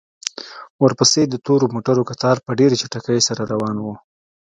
ورپسې د تورو موټرو کتار په ډېرې چټکۍ سره روان و.